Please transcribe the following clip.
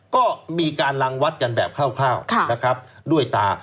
ก็มีการรังวัดกันแบบคร่าวด้วยตา